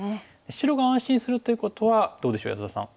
白が安心するということはどうでしょう安田さん。